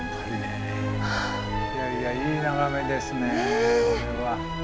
いやいやいい眺めですねこれは。